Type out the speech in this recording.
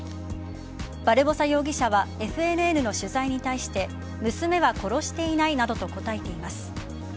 バルボサ容疑者はＦＮＮの取材に対して娘は殺していないなどと答えています。